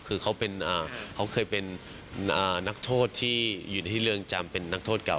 คือเขาเคยเป็นนักโทษที่อยู่ในเรือนจำเป็นนักโทษเก่า